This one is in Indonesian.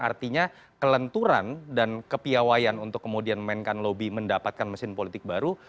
artinya kelenturan dan kepiawayan untuk kemudian memainkan lobby mendapatkan mesin politik baru